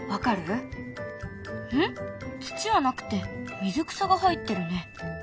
土はなくて水草が入ってるね。